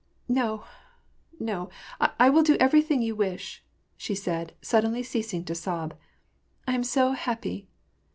"No, no, I will do everything you wish," she said, suddenly ceasing to sob. " I am so happy."